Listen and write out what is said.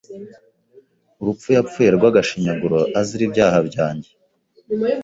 urupfu yapfuye rw’agashinyaguro azira “ibyaha byanjye”.